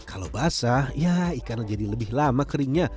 kalau basah ya ikan jadi lebih lama keringnya